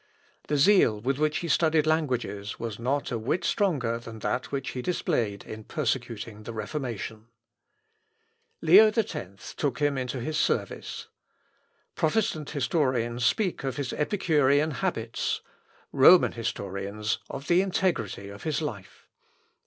The zeal with which he studied languages was not a whit stronger than that which he displayed in persecuting the Reformation. Leo X took him into his service. Protestant historians speak of his epicurean habits Roman historians of the integrity of his life.